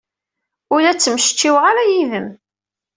Ur la ttmecčiweɣ ara yid-m.